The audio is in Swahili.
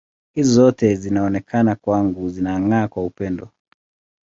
Hizo zote zinaonekana kwangu zinang’aa kwa upendo.